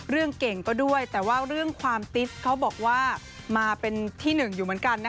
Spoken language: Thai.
เรื่องเก่งก็ด้วยแต่ว่าเรื่องความติ๊สเขาบอกว่ามาเป็นที่หนึ่งอยู่เหมือนกัน